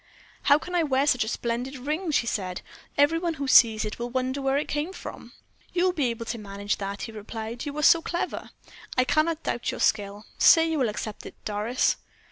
"How can I wear such a splendid ring?" she said. "Every one who sees it will wonder where it came from." "You will be able to manage that," he replied; "you are so clever. I cannot doubt your skill. Say you will accept it, Doris?"